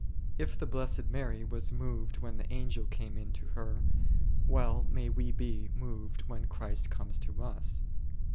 If the Blessed Mary was moved when the Angel came in to her, well may we be moved when Christ comes to us.